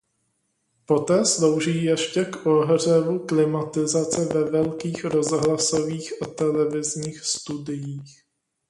Poté slouží ještě k ohřevu klimatizace ve velkých rozhlasových a televizních studiích.